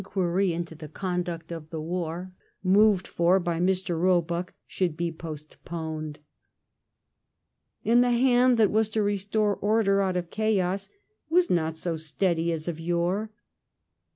16B ^uiry into the conduct of the war,' moved for hy Mr. Hoehuck, should be postponed. And the hand that was ix} restore order out of chaos was not so steady as of yore.